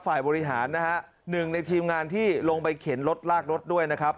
ฝ่ายบริหารนะฮะหนึ่งในทีมงานที่ลงไปเข็นรถลากรถด้วยนะครับ